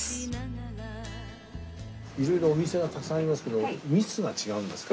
色々お店がたくさんありますけど蜜が違うんですか？